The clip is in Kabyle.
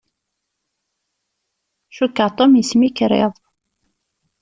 Cukkeɣ Tom yesmikriḍ.